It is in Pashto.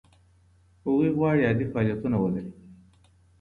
هغوی غواړي عادي فعالیتونه ولري.